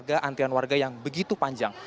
dan juga antiran warga yang begitu panjang